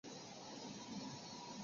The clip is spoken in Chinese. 施特恩伯格宫。